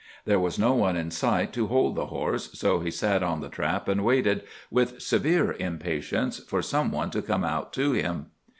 There was no one in sight to hold the horse, so he sat in the trap and waited, with severe impatience, for some one to come out to him.